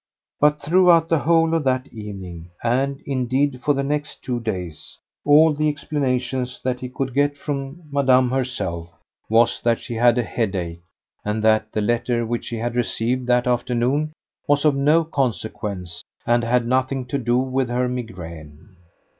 But throughout the whole of that evening, and, indeed, for the next two days, all the explanation that he could get from Madame herself was that she had a headache and that the letter which she had received that afternoon was of no consequence and had nothing to do with her migraine.